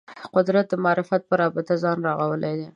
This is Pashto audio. قدرت د معرفت په رابطه ځان رغولی دی